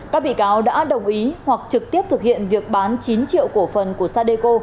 các bị cáo đã đồng ý hoặc trực tiếp thực hiện việc bán chín triệu cổ phần của sadeco